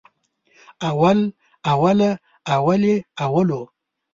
اول، اوله، اولې، اولو